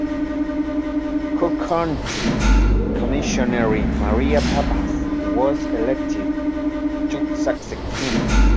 Cook County Commissioner Maria Pappas was elected to succeed him.